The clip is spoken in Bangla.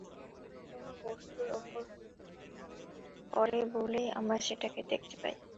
আলো কোনো বস্তুর ওপর পড়ে বলেই আমরা সেটাকে দেখতে পাই।